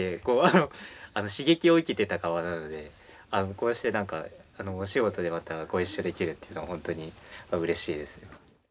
こうしてなんかお仕事でまたご一緒できるっていうのはほんとにうれしいですね。